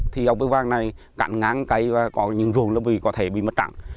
thì ốc bưu vàng này cạn ngán cây và có những ruồng có thể bị mất trắng